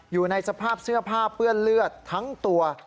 อยู่ในสภาพเสื้อผ้าเปื้อนเลือดทั้งตัว